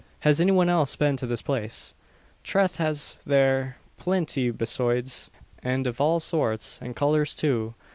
Has any one else been to this place?" "Trath has thare plinty besoides. An av all sorts, an colours too.